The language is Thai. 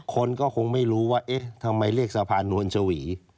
คนก็คงไม่รู้ว่าเอ๊ะทำไมเลขสะพานนวลชวี